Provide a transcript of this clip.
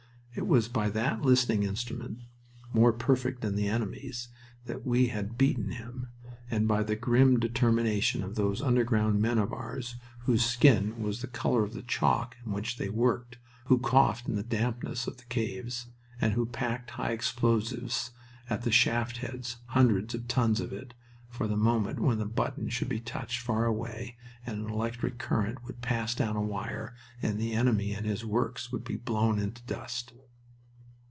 It was by that listening instrument, more perfect than the enemy's, that we had beaten him, and by the grim determination of those underground men of ours, whose skin was the color of the chalk in which they worked, who coughed in the dampness of the caves, and who packed high explosives at the shaft heads hundreds of tons of it for the moment when a button should be touched far away, and an electric current would pass down a wire, and the enemy and his works would be blown into dust.